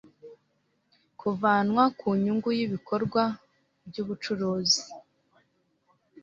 kuvanwa ku nyungu y ibikorwa by ubucuruzi